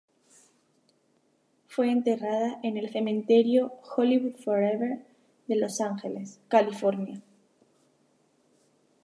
Fue enterrada en el Cementerio Hollywood Forever de Los Ángeles, California.